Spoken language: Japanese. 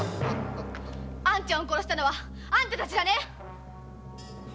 兄ちゃんを殺したのはあんたたちだね。